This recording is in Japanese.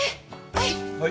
はい。